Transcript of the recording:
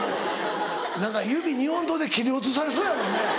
何か指日本刀で斬り落とされそうやもんね。